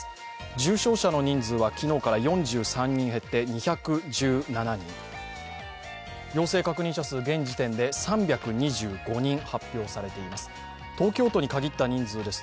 重症者の人数は昨日から４３人減って２１７人、陽性確認者数現時点で３２５人発表されています。